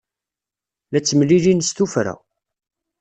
La ttemlilin s tuffra.